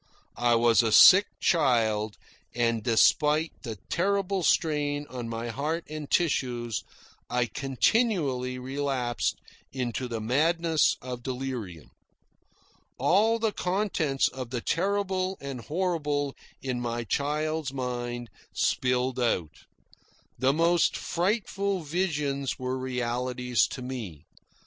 I was a sick child, and, despite the terrible strain on my heart and tissues, I continually relapsed into the madness of delirium. All the contents of the terrible and horrible in my child's mind spilled out. The most frightful visions were realities to me.